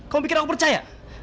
kamu pikir aku percaya